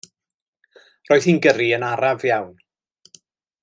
Roedd hi'n gyrru yn araf iawn.